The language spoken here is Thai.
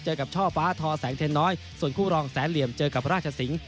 เจอกับช่อฟ้าทอแสงเทนน้อยส่วนคู่รองแสนเหลี่ยมเจอกับราชสิงห